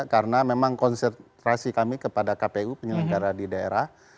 karena memang konsentrasi kami kepada kpu penyelenggara di daerah